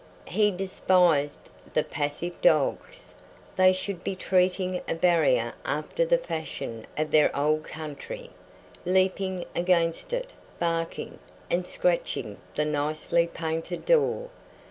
He despised the passive dogs. They should be treating a barrier after the fashion of their old country, leaping against it, barking, and scratching the nicely painted door.